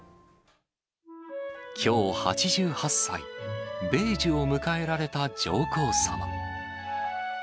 きょう、８８歳、米寿を迎えられた上皇さま。